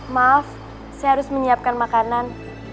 maaf saya harus menyiapkan makanan